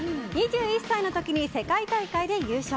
２１歳の時に世界大会で優勝。